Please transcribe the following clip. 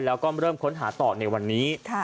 แล้วก็เริ่มค้นหาต่อในวันนี้